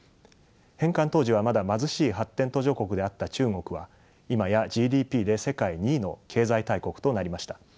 返還当時はまだ貧しい発展途上国であった中国は今やＧＤＰで世界２位の経済大国となりました。